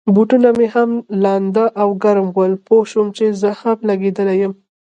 بوټونه مې هم لانده او ګرم ول، پوه شوم چي زه هم لګېدلی یم.